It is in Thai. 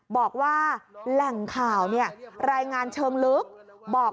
บอกว่าแหล่งข่าวรายงานเชิงลึกบอก